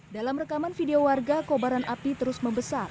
dalam rekaman video warga kobaran api terus membesar